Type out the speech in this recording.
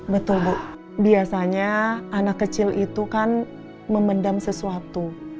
betul bu biasanya anak kecil itu kan memendam sesuatu